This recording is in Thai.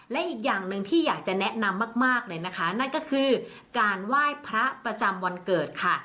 และอีกอย่างหนึ่งที่อยากจะแนะนำมากเลยนะคะนั่นก็คือการไหว้พระประจำวันเกิดค่ะ